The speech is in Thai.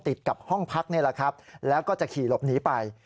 ติดกับห้องพักนี่แหละครับแล้วก็จะขี่หลบหนีไป